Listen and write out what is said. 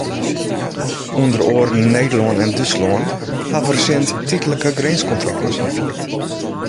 Under oaren Nederlân en Dútslân hawwe resint tydlike grinskontrôles ynfierd.